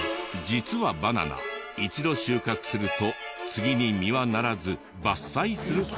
実はバナナ一度収穫すると次に実はならず伐採する事に。